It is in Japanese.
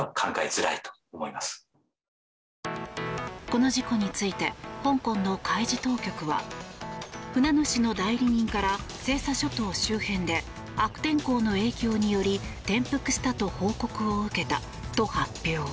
この事故について香港の海事当局は船主の代理人から西沙諸島周辺で悪天候の影響により転覆したと報告を受けたと発表。